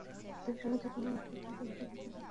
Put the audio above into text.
তাদের সময়ে যে কোন গাছে দ্রুত উঠে যেতে পারতো ফল পেরে আনতে।